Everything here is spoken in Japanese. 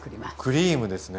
クリームですね。